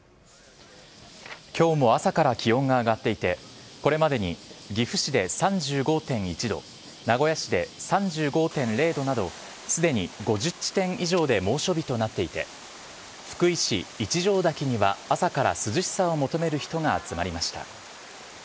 きょうも朝から気温が上がっていて、これまでに岐阜市で３５．１度、名古屋市で３５．０度など、すでに５０地点以上で猛暑日となっていて、福井市一乗滝には、朝から涼しさを求める人が集まりました。